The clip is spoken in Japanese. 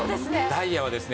ダイヤはですね